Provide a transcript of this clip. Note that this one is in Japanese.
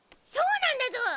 そうなんだゾ！